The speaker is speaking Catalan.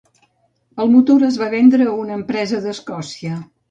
El motor es va vendre a una empresa d'Escòcia.